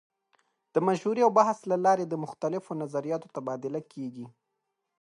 د مشورې او بحث له لارې د مختلفو نظریاتو تبادله کیږي.